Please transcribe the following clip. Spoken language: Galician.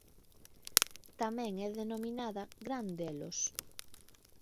Tamén é denominada Gran Delos.